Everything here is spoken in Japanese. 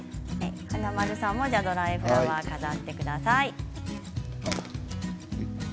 華丸さんもドライフラワーを飾ってください。